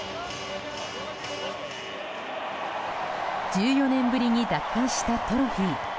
１４年ぶりに奪還したトロフィー。